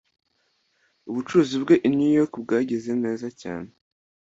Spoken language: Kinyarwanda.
Ubucuruzi bwe i New York bwagenze neza cyane